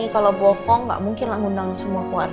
kalau bohong gak mungkin lah ngundang semua kuat